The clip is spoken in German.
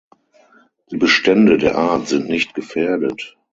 Die Bestände der Art sind nicht gefährdet.